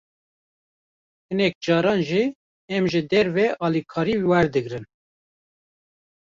Hinek caran jî, em ji derve alîkarî werdigrin